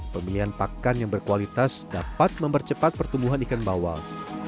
pemilihan pakan yang berkualitas dapat mempercepat pertumbuhan ikan bawal